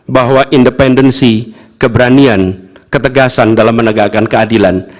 bahwa independensi keberanian ketegasan dalam menegakkan keadilan